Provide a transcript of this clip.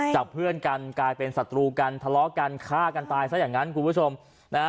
จากเพื่อนกันกลายเป็นศัตรูกันทะเลาะกันฆ่ากันตายซะอย่างนั้นคุณผู้ชมนะฮะ